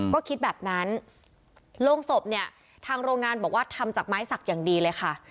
ก็คิดแบบนั้นโรงศพเนี่ยทางโรงงานบอกว่าทำจากไม้สักอย่างดีเลยค่ะ